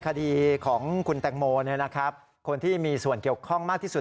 คดีของคุณแตงโมคนที่มีส่วนเกี่ยวข้องมากที่สุด